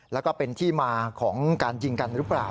แล้วก็เป็นที่มาของการยิงกันหรือเปล่า